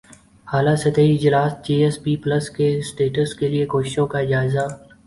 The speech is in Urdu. اعلی سطحی اجلاس جی ایس پی پلس کے اسٹیٹس کیلئے کوششوں کا جائزہ